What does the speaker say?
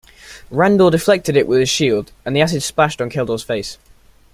Randor deflected it with his shield, and the acid splashed on Keldor's face.